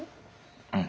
うん。